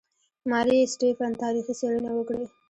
ماري سټیفن تاریخي څېړنې وکړې.